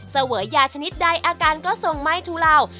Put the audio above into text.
เสวยยาชนิดใดอาการก็ทรงไม่ทุเลา